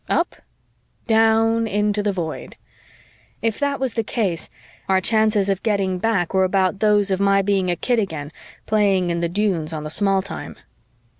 up?), down into the Void. If that was the case, our chances of getting back were about those of my being a kid again playing in the Dunes on the Small Time.